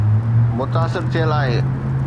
متاثر ٿيل آهي.